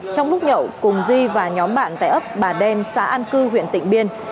trong lúc nhậu cùng duy và nhóm bạn tại ấp bà đen xã an cư huyện tịnh biên